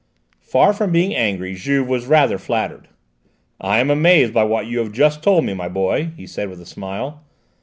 Far from being angry, Juve was rather flattered. "I am amazed by what you have just told me, my boy," he said with a smile.